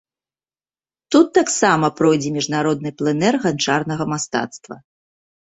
Тут таксама пройдзе міжнародны плэнэр ганчарнага мастацтва.